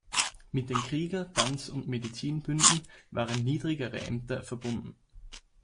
Mit den Krieger-, Tanz- und Medizin-Bünden waren niedrigere Ämter verbunden.